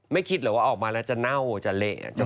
ไม่คิดเหรอว่าออกมาแล้วจะเน่าจะเละจะเฟะ